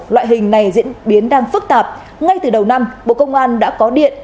loại hình này diễn biến đang phức tạp ngay từ đầu năm bộ công an đã có điện